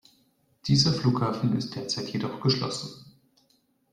Dieser Flughafen ist derzeit jedoch geschlossen.